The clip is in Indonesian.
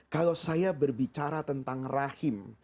kalau saya berbicara tentang rahim